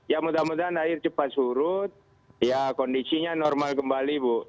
ya mudah mudahan air cepat surut ya kondisinya normal kembali bu